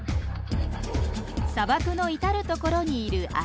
砂漠の至る所にいるアリ。